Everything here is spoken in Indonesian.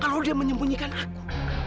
kalau dia menyembunyikan aku